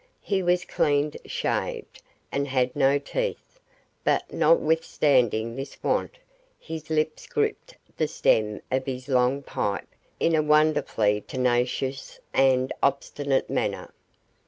He was cleaned shaved, and had no teeth, but notwithstanding this want, his lips gripped the stem of his long pipe in a wonderfully tenacious and obstinate manner.